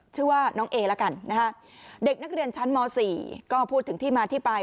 ชื่อว่าน้องเอละกันนะฮะเด็กนักเรียนชั้นม๔ก็พูดถึงที่มาที่ไป